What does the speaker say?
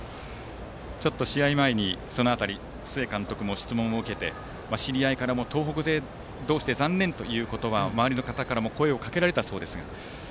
その辺り、試合前に須江監督も質問を受けて知り合いからも東北勢同士で残念ということは周りの方からも声をかけられたそうですが。